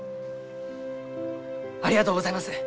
ありがとうございます！